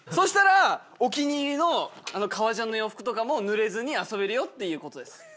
したらお気に入りの革ジャンの洋服とかもぬれずに遊べるよっていうことです。